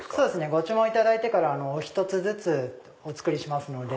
ご注文いただいてからお１つずつお作りしますので。